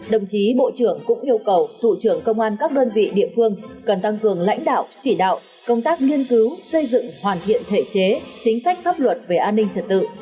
đồng chí bộ trưởng cũng yêu cầu thủ trưởng công an các đơn vị địa phương cần tăng cường lãnh đạo chỉ đạo công tác nghiên cứu xây dựng hoàn thiện thể chế chính sách pháp luật về an ninh trật tự